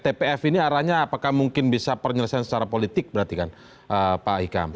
tpf ini arahnya apakah mungkin bisa penyelesaian secara politik berarti kan pak hikam